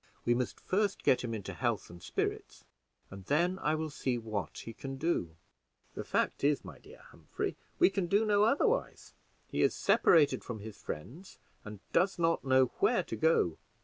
We must first get him into health and spirits, and then I will see what he can do." "The fact is, my dear Humphrey, we can do no otherwise; he is separated from his friends, and does not know where to go.